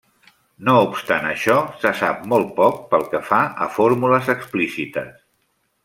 No obstant això, se sap molt poc, pel que fa a fórmules explícites.